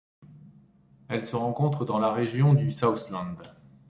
Elle se rencontre dans la région du Southland.